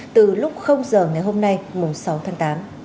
từ lúc giờ ngày hôm nay sáu tháng tám